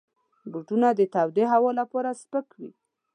بوټونه د تودې هوا لپاره سپک وي.